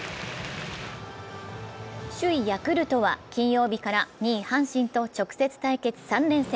首位・ヤクルトは金曜日から２位・阪神と直接対決３連戦。